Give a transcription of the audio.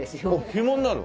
ひもになる。